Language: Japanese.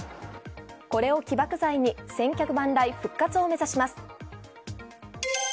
これを起爆剤に千客万来復活を目指します。